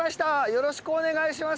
よろしくお願いします！